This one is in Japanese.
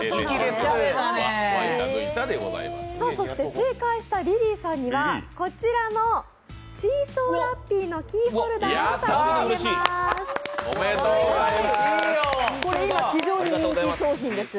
そして正解したリリーさんにはこちらのチーソーラッピーのキーホルダーを差し上げます。